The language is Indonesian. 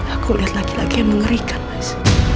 aku lihat laki laki yang mengerikan mas